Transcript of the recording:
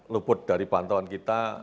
luput dari pantauan kita